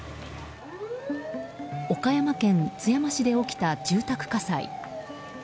岡山県津山市で起きた住宅火災。